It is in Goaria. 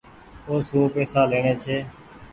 اوسون پئيسا ليڻي ڇي۔